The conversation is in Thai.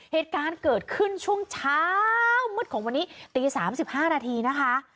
เหตุการณ์เกิดขึ้นช่วงเช้ามืดของวันนี้ตี๓๕นาทีนะคะ